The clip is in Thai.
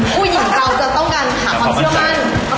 ผู้หญิงเราจะต้องการหาความเชื่อมั่น